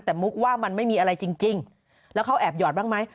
แต่มุกว่ามันไม่มีอะไรจริงแล้วเขาแอบหยอดบ้างไหม